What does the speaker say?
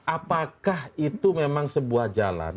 apakah itu memang sebuah jalan